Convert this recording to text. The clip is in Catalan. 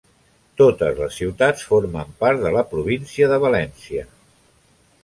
Totes les ciutats formen part de la província de València.